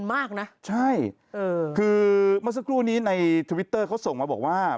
มันมีนิติโทรทวิเตอร์ส่งมาบอกว่า